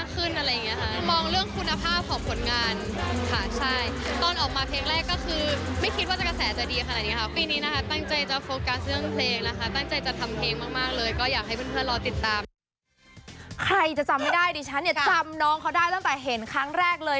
ใครจะจำไม่ได้ดิฉันเนี่ยจำน้องเขาได้ตั้งแต่เห็นครั้งแรกเลย